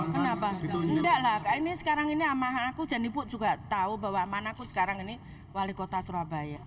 kenapa enggak lah sekarang ini amahanku jadi ibu juga tahu bahwa manaku sekarang ini wali kota surabaya